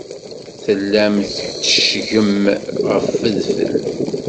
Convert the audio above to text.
Tellam tetteccgem ɣef wedfel.